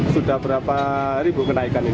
sudah berapa ribu kenaikan ini